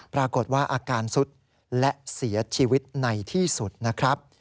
ปรากฏว่าอาการสุดและเสียชีวิตในที่สุดนะครับ